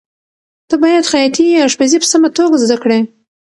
ته باید خیاطي یا اشپزي په سمه توګه زده کړې.